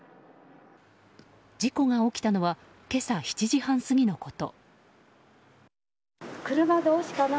事故が起きたのは今朝７時半過ぎのこと。